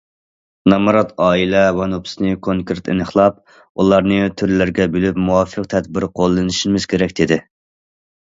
نامرات ئائىلە ۋە نوپۇسنى كونكرېت ئېنىقلاپ، ئۇلارنى تۈرلەرگە بۆلۈپ مۇۋاپىق تەدبىر قوللىنىشىمىز كېرەك، دېدى.